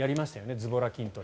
ズボラ筋トレ。